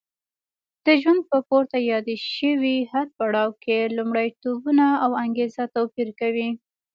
د ژوند په پورته یاد شوي هر پړاو کې لومړیتوبونه او انګېزه توپیر کوي.